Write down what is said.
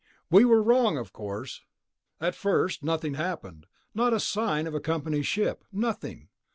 "We were wrong, of course. At first nothing happened ... not a sign of a company ship, nothing.